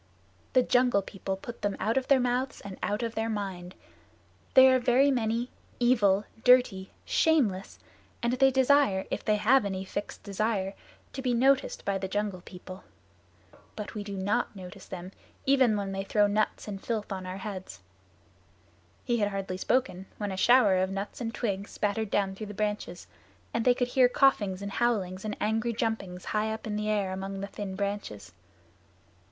"The Jungle People put them out of their mouths and out of their minds. They are very many, evil, dirty, shameless, and they desire, if they have any fixed desire, to be noticed by the Jungle People. But we do not notice them even when they throw nuts and filth on our heads." He had hardly spoken when a shower of nuts and twigs spattered down through the branches; and they could hear coughings and howlings and angry jumpings high up in the air among the thin branches.